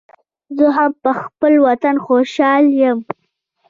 زه هم پخپل وطن خوشحال یم